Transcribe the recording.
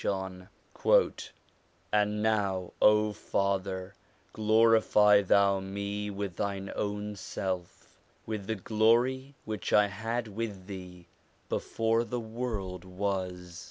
JOHN now, O Father, glorify Thou me with Thine own self, with the glory which I had with Thee before the world was.'